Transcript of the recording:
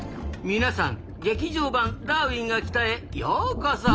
みなさん「劇場版ダーウィンが来た！」へようこそ。